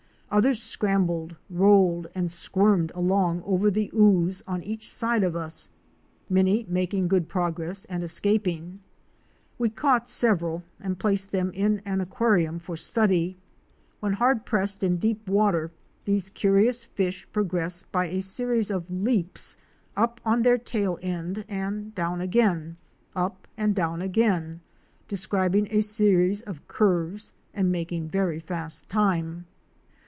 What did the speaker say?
Others scrambled, rolled, and squirmed along over the ooze on each side of us, many making good progress and escaping. We caught several and placed them in an aquarium for study. When hard pressed in deep water these curious fish progress by a series of leaps — up on their tail end and down again, up and down again, describing a series of curves and making very fast time.